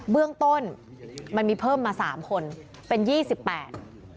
เบื้องต้นมันมีเพิ่มมา๓คนเป็น๒๘คน